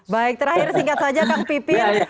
baik terakhir singkat saja kang pipin